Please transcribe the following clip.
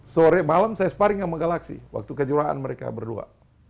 sore malam saya sparring sama galaksi waktu kejuaraan mereka berdua